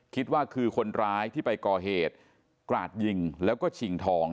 คิดว่าคือคนร้ายที่ไปก่อเหตุกราดยิงแล้วก็ชิงทอง